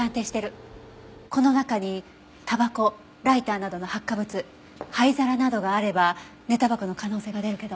この中にタバコライターなどの発火物灰皿などがあれば寝タバコの可能性が出るけど。